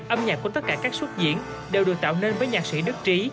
âm nhạc của tất cả các xuất diễn đều được tạo nên với nhạc sĩ đức trí